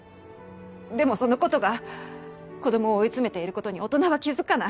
でもその事が子どもを追い詰めている事に大人は気づかない。